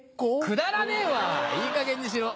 くだらねえわいいかげんにしろ。